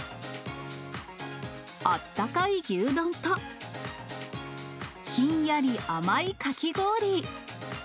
あったかい牛丼と、ひんやり甘いかき氷。